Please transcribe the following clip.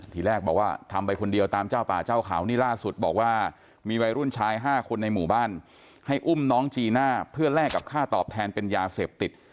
ทีแรกบอกว่าทำไปคนเดียวตามเจ้าป่าเจ้าเขานี่ล่าสุดบอกว่ามีวัยรุ่นชาย๕คนในหมู่บ้านให้อุ้มน้องจีน่าเพื่อแลกกับค่าตอบแทนเป็นยาเสพติด